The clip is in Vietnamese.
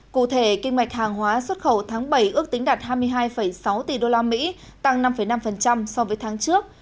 cụ thể kinh mệch hàng hóa xuất khẩu tháng bảy ước tính đạt hai mươi hai sáu tỷ đô la mỹ tăng năm năm so với tháng trước